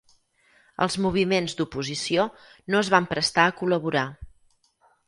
Els moviments d'oposició no es van prestar a col·laborar.